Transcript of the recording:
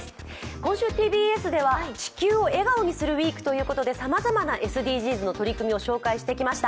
今週、ＴＢＳでは「地球を笑顔にするＷＥＥＫ」ということでさまざまなＳＤＧｓの取り組みを紹介してまいりました。